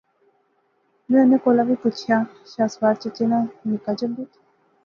میں انیں کولا وی پچھیا، شاہ سوار چچے ناں نکا جنگت۔۔۔۔؟